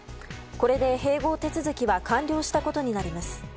これで併合手続きは完了したことになります。